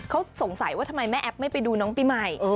เขาสงสัยว่าทำไมแม่แอ๊บไม่ไปดูน้องปีใหม่